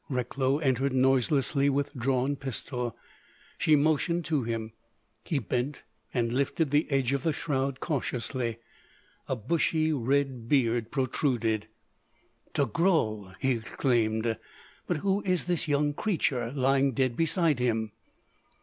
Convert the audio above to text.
Recklow entered noiselessly with drawn pistol. She motioned to him; he bent and lifted the edge of the shroud, cautiously. A bushy red beard protruded. "Togrul!" he exclaimed.... "But who is this young creature lying dead beside him?"